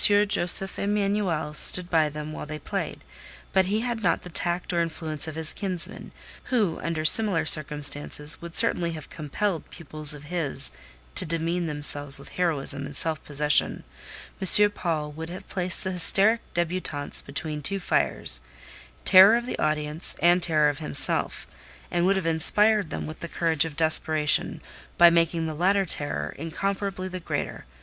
Josef Emanuel stood by them while they played; but he had not the tact or influence of his kinsman, who, under similar circumstances, would certainly have compelled pupils of his to demean themselves with heroism and self possession. M. Paul would have placed the hysteric débutantes between two fires—terror of the audience, and terror of himself—and would have inspired them with the courage of desperation, by making the latter terror incomparably the greater: M.